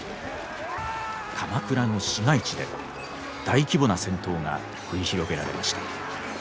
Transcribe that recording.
鎌倉の市街地で大規模な戦闘が繰り広げられました。